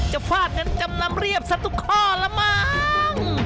จะฝาดกันจำนำเรียบสักทุกข้อละมั้ง